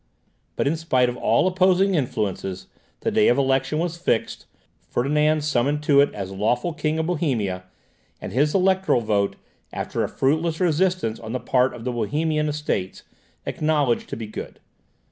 But in spite of all opposing influences, the day of election was fixed, Ferdinand summoned to it as lawful king of Bohemia, and his electoral vote, after a fruitless resistance on the part of the Bohemian Estates, acknowledged to be good.